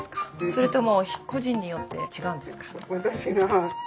それとも個人によって違うんですか？